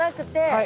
はい。